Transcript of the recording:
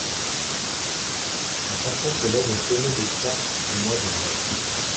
La chanson s'élève au sommet des charts au mois de mai.